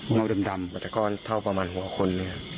งานดำด้ำเหมือนที่ก็เท่าประมาณหัวคนเนี้ย